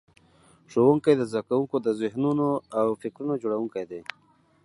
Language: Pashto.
ښوونکي د زده کوونکو د ذهنونو او فکرونو جوړونکي دي.